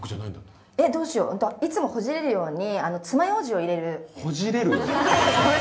えっどうしよういつもほじれるようにつまようじを入れる？